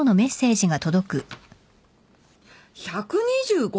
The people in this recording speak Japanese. １２５通？